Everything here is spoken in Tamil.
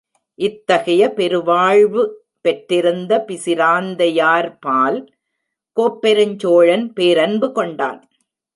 இத்தகைய பெருவாழ்வு பெற்றிருந்த பிசிராந்தையார்பால், கோப்பெருஞ் சோழன் பேரன்பு கொண்டான்.